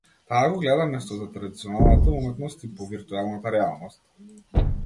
Таа го гледа место за традиционалната уметност и во виртуелната реалност.